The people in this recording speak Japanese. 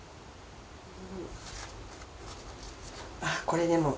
あっこれでも。